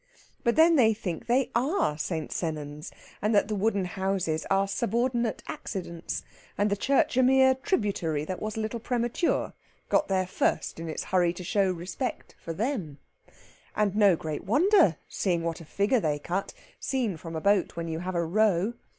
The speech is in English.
But then they think they are St. Sennans, and that the wooden houses are subordinate accidents, and the church a mere tributary that was a little premature got there first, in its hurry to show respect for them. And no great wonder, seeing what a figure they cut, seen from a boat when you have a row!